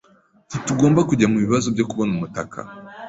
Ntugomba kujya mubibazo byo kubona umutaka.